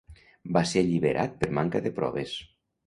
Va ser alliberat per manca de proves.